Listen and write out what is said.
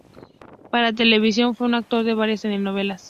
Para televisión fue un actor de varias telenovelas.